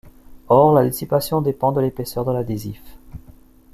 Or, la dissipation dépend de l'épaisseur de l'adhésif.